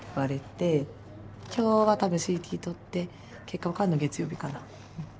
今日は多分ＣＴ撮って結果分かるのは月曜日かな。